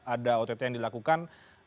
ada ott yang dilakukan